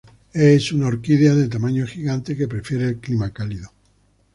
Es una orquídea de tamaño gigante, que prefiere el clima cálido.